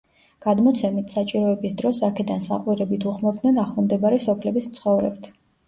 გადმოცემით, საჭიროების დროს აქედან საყვირებით უხმობდნენ ახლო მდებარე სოფლების მცხოვრებთ.